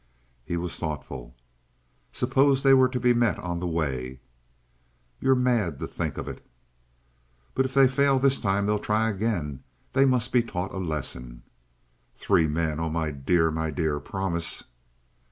He was thoughtful. "Suppose they were to be met on the way?" "You're mad to think of it!" "But if they fail this time they'll try again. They must be taught a lesson." "Three men? Oh, my dear, my dear! Promise!"